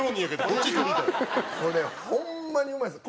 これホンマにうまいです。